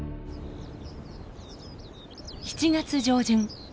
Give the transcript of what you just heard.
７月上旬。